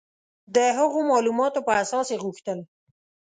د هغو معلوماتو په اساس یې غوښتل.